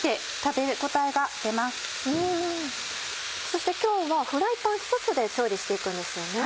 そして今日はフライパンひとつで調理して行くんですよね。